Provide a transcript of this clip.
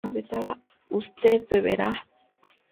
usted beberá